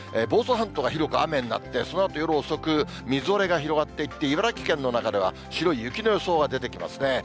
房総半島は広く雨になって、そのあと夜遅く、みぞれが広がっていって、茨城県の中では白い雪の予想が出てきますね。